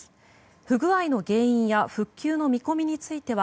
不具合の原因や復旧の見込みについては